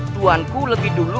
tuan pak tiraga lebih dulu